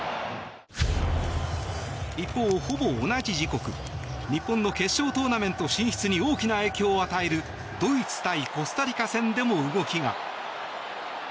一方、ほぼ同じ時刻日本の決勝トーナメント進出に大きな影響を与えるドイツ対コスタリカ戦でも動きが。